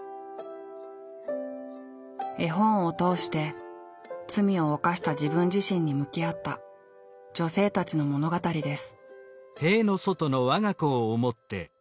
絵本を通して罪を犯した自分自身に向き合った女性たちの物語です。